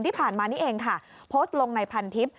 ที่ผ่านมานี่เองค่ะโพสต์ลงในพันทิพย